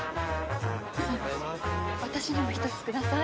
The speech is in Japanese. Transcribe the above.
私にも１つください。